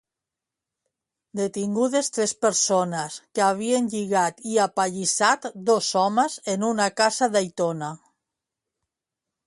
Detingudes tres persones que havien lligat i apallissat dos homes en una casa d'Aitona.